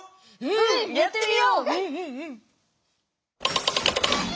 うんやってみよう！